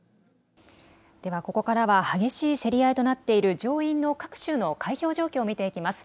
ではここからは激しい競り合いとなっている上院の各州の開票状況を見ていきます。